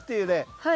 はい。